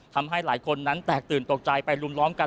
ทำให้หลายคนนั้นแตกตื่นตกใจไปลุมล้อมกัน